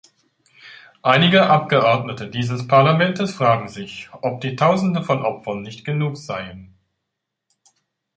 Einige Abgeordnete dieses Parlaments fragten sich, ob die Tausende von Opfern nicht genug seien.